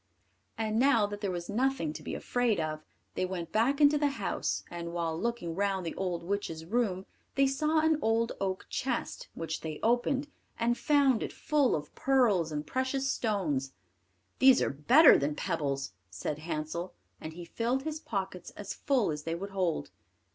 And now that there was nothing to be afraid of, they went back into the house, and while looking round the old witch's room, they saw an old oak chest, which they opened, and found it full of pearls and precious stones. "These are better than pebbles," said Hansel; and he filled his pockets as full as they would hold.